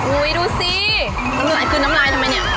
อุ๊ยดูสิคือน้ำลายทำไมเนี่ย